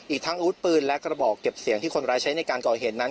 ทั้งอาวุธปืนและกระบอกเก็บเสียงที่คนร้ายใช้ในการก่อเหตุนั้น